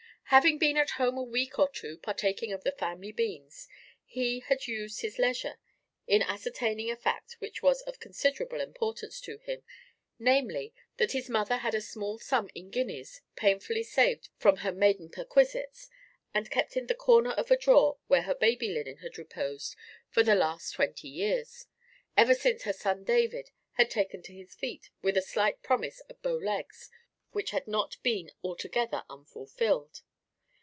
Having been at home a week or two partaking of the family beans, he had used his leisure in ascertaining a fact which was of considerable importance to him, namely, that his mother had a small sum in guineas painfully saved from her maiden perquisites, and kept in the corner of a drawer where her baby linen had reposed for the last twenty years—ever since her son David had taken to his feet, with a slight promise of bow legs which had not been altogether unfulfilled.